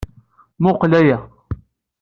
Mmuqqel aya!